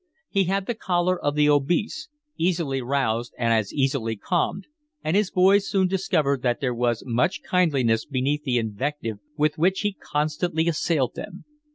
He had the choler of the obese, easily roused and as easily calmed, and his boys soon discovered that there was much kindliness beneath the invective with which he constantly assailed them.